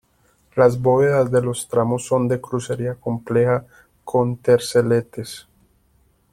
Las bóvedas de los tramos son de crucería compleja con terceletes.